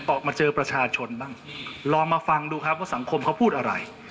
ออกมาเจอประชาชนบ้างลองมาฟังดูครับว่าสังคมเขาพูดอะไร